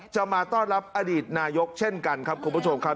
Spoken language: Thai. จะมาต้อนรับอดีตนายกเช่นกันครับคุณผู้ชมครับ